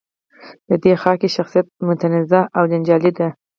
د دې خاکې شخصیت متنازعه او جنجالي دی.